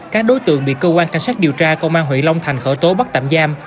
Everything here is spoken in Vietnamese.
các đối tượng bị cơ quan cảnh sát điều tra công an huyện long thành khởi tố bắt tạm giam